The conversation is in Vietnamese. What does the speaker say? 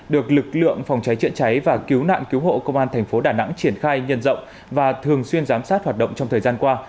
được lực lượng phòng cháy chữa cháy và cứu nạn cứu hộ công an thành phố đà nẵng triển khai nhân rộng và thường xuyên giám sát hoạt động trong thời gian qua